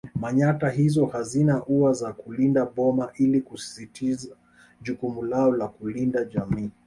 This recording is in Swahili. Manyatta hizo hazina ua za kulinda boma ili kusisitiza jukumu lao la kulinda jamii